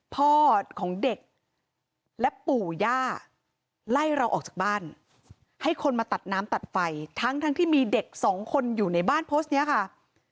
พ่อของเด็กและปู่ย่าไล่เราออกจากบ้านให้คนมาตัดน้ำตัดไฟทั้งที่มีเด็กสองคนอยู่ในบ้านโพสต์นี้ค่ะ